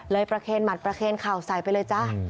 ประเคนหมัดประเคนเข่าใส่ไปเลยจ้ะ